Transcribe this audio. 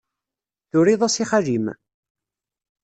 Turiḍ-as i xali-m?